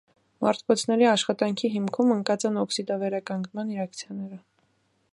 Մարտկոցների աշխատանքի հիմքում ընկած են օքսիդավերականգնման ռեակցիաները։